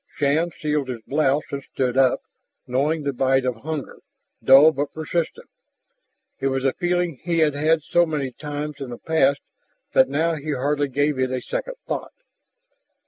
Shann sealed his blouse and stood up, knowing the bite of hunger, dull but persistent. It was a feeling he had had so many times in the past that now he hardly gave it a second thought.